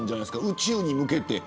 宇宙に向けて。